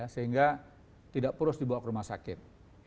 sehingga tidak terus dibawa ke rumah sakit